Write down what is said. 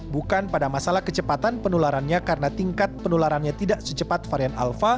bukan pada masalah kecepatan penularannya karena tingkat penularannya tidak secepat varian alpha